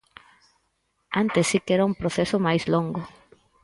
Antes si que era un proceso máis longo.